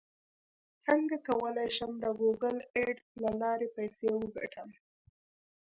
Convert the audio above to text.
څنګه کولی شم د ګوګل اډز له لارې پیسې وګټم